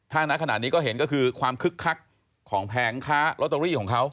ถ้านักขนาดนี้ก็เห็นก็คือความคึกคักของแผงค้าลอตเตอรี่ของเขา